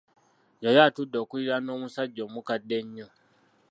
Yali atudde okuliraana omusajja omukadde ennyo.